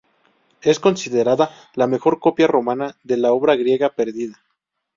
Es considerada la mejor copia romana de la obra griega perdida.